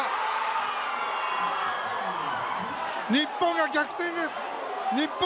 日本が逆転です。